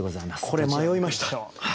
これ迷いましたよ。